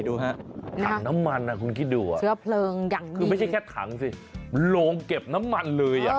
โอ้โฮดูนะจับน้ำมันนะคุณคิดดูอ่ะคือไม่ใช่แค่ถังสิโรงเก็บน้ำมันเลยอ่ะ